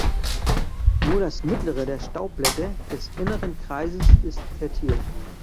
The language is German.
Nur das mittlere der Staubblätter des inneren Kreises ist fertil.